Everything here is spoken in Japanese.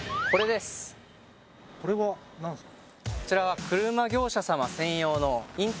これは何ですか？